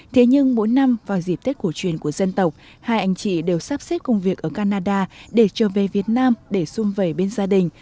thế nhưng mỗi năm vào dịp tết cổ truyền của dân tộc hai anh chị đều sắp xếp công việc ở canada để trở về việt nam để xung vầy bên gia đình